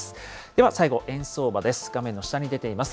では、最後、円相場です。